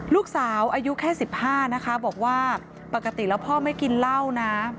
ลูกสาวอายุแค่๑๕นะคะบอกว่าปกติแล้วพ่อไม่กินเหล้านะ